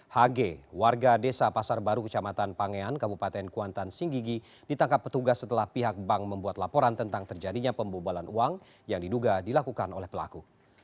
hg warga desa pasar baru kecamatan pangean kabupaten kuantan singgigi ditangkap petugas setelah pihak bank membuat laporan tentang terjadinya pembobalan uang yang diduga dilakukan oleh pelaku